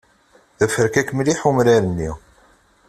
D aferkak mliḥ umrar-nni.